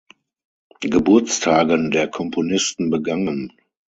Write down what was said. Geburtstagen der Komponisten begangen.